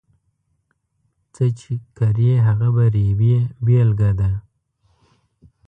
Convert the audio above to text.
څه چې کرې، هغه به رېبې بېلګه ده.